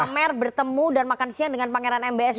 pamer bertemu dan makan siang dengan pangeran mbs